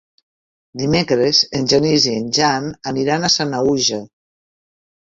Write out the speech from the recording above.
Dimecres en Genís i en Jan aniran a Sanaüja.